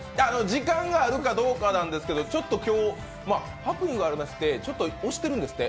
時間があるかどうかなんですけど、ちょっと今日ハプニングがありまして押してるんですって。